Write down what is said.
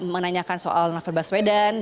menanyakan soal novel baswedan